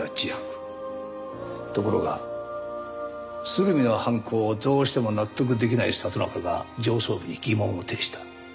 ところが鶴見の犯行をどうしても納得できない里中が上層部に疑問を呈した。